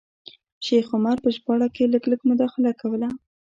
شیخ عمر په ژباړه کې لږ لږ مداخله کوله.